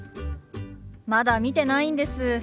まだ見てないんです。